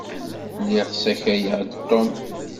Lliɣ ssakayeɣ-d Tom.